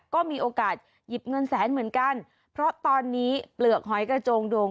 ก็มีโอกาสหยิบเงินแสนเหมือนกันเพราะตอนนี้เปลือกหอยกระโจงโดง